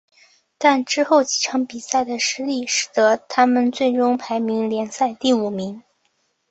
但之后几场比赛的失利使得他们最终排名联赛第五名。